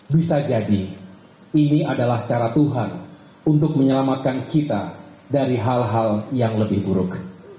bisa jadi ini adalah cara tuhan untuk menyelamatkan kita dari hal hal yang lebih buruk